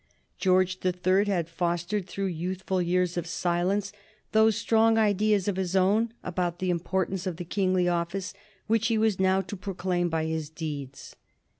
George the Third had fostered through youthful years of silence those strong ideas of his own about the importance of the kingly office which he was now to proclaim by his deeds.